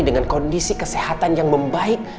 dengan kondisi kesehatan yang membaik